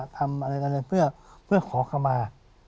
ทำอะไรเพื่อขอเข้ามา